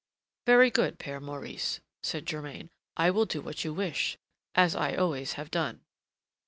"Very good, Père Maurice," said Germain, "I will do what you wish, as I always have done."